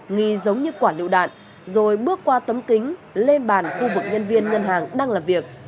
nghi giống như quả lựu đạn rồi bước qua tấm kính lên bàn khu vực nhân viên ngân hàng đang làm việc